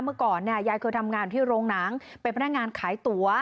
เมื่อก่อนเนี่ยยายเคยทำงานอยู่ที่โรงหนังเป็นพนักงานขายตั๋ว